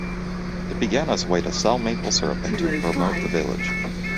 It began as a way to sell maple syrup and to promote the village.